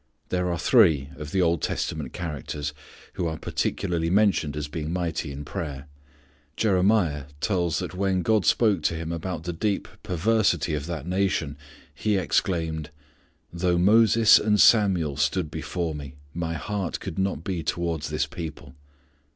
There are three of the Old Testament characters who are particularly mentioned as being mighty in prayer. Jeremiah tells that when God spoke to him about the deep perversity of that nation He exclaimed, "Though Moses and Samuel stood before Me My heart could not be towards this people."